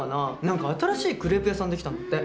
何か新しいクレープ屋さん出来たんだって。